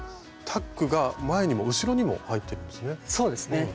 タックが前にも後ろにも入っているんですね。